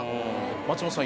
松本さん